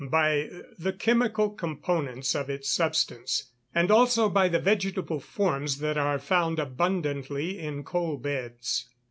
_ By the chemical components of its substance; and also by the vegetable forms that are found abundantly in coal beds.